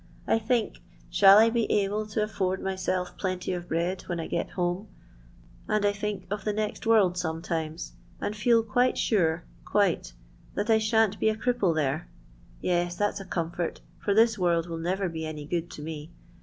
I think, shall I be able ti afford myself plenty of bread when I get ImcmI And I think of the next world ■ometimai^ and £m1 quite sure, quite, that I shan't be a crip|da ikmn. Yes, that 's a oomfort, for this world will new be any good to me.